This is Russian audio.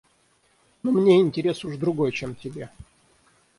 Но мне интерес уж другой, чем тебе.